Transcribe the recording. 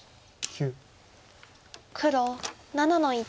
黒７の一。